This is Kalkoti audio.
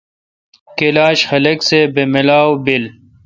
کلاشہ خلق سہ بہ ملاو بیل۔